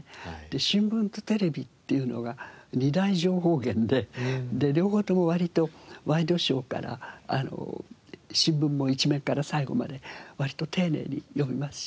新聞とテレビっていうのが２大情報源で両方とも割とワイドショーから新聞も一面から最後まで割と丁寧に読みますしね。